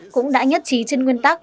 cũng đã nhất trí trên nguyên tắc